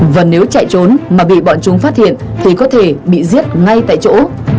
và nếu chạy trốn mà bị bọn chúng phát hiện thì có thể bị giết ngay tại chỗ